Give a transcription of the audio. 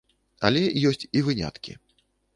Але ёсць і выняткі.